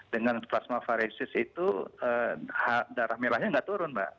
dengan plasma varesis itu darah merahnya nggak turun mbak